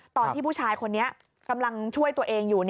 ตอนที่ผู้ชายคนนี้กำลังช่วยตัวเองอยู่